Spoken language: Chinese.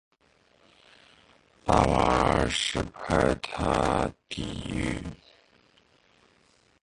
拉玛二世派他抵御。